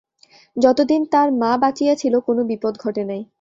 যতদিন তার মা বাঁচিয়া ছিল কোনো বিপদ ঘটে নাই।